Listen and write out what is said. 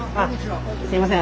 すみません